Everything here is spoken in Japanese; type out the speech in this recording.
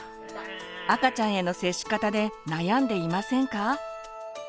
赤ちゃんへの接し方で悩んでいませんか？